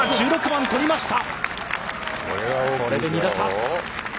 １６番取りました！